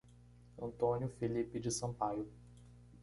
Antônio Felipe de Sampaio